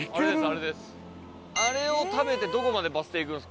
あれを食べてどこまでバス停行くんですか？